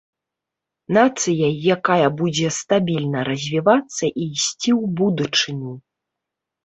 Нацыяй, якая будзе стабільна развівацца і ісці ў будучыню.